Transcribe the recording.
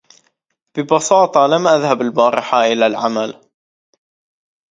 ببساطة لم أذهب البارحة إلى العمل.